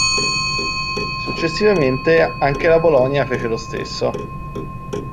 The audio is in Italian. Successivamente anche la Polonia fece lo stesso.